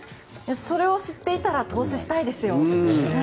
それを知っていたら投資したいですよ。